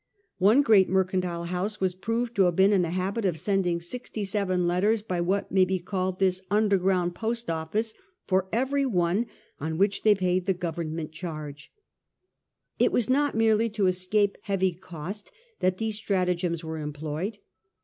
One great mercantile house was proved to have been in the habit of sending sixty seven letters by what we may call this underground post office for every one on which they paid the government charges. It was not merely to escape heavy cost that these stratagems were employed.